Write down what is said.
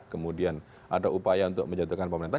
kemudian ada upaya untuk menjatuhkan pemerintah